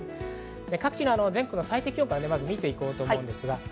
各地の全国の最低気温を見て行こうと思います。